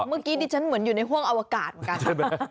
เมื่อกี้ดิฉันเหมือนอยู่ในห่วงอวกาศเหมือนกัน